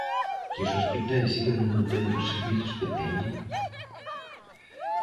¿Que os hospitais sigan mantendo os servizos que teñen?